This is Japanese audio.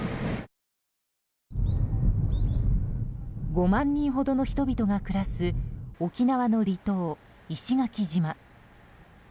５万人ほどの人々が暮らす沖縄の離島・石垣島。